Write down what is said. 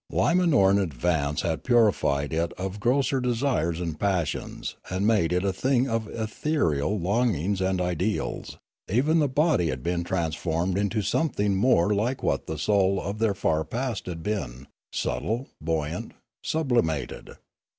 Li man or an advance had puri fied it of grosser desires and passions and made it a thing of ethereal longings and ideals; even the body Death 363 had been transformed into something more like what the soul of their far past had been, subtle, buoyant, sublimated.